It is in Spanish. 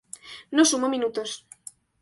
No sumó minutos.